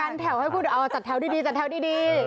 กันแถวให้พูดจัดแถวดี